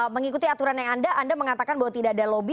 mengikuti aturan yang ada anda mengatakan bahwa tidak ada lobby